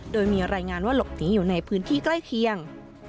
โดยมีรายงานว่าหลบหนีอยู่ในพื้นที่ใกล้เคียง